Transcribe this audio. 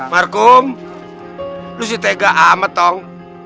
markum lu si tega amat tong